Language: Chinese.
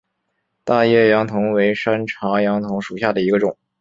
大叶杨桐为山茶科杨桐属下的一个种。